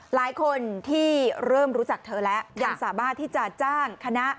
หลายคนที่เริ่มรู้จักเธอแล้วยังสามารถที่จะจ้างคณะ